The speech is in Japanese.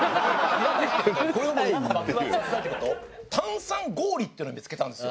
炭酸氷っていうのを見付けたんですよ。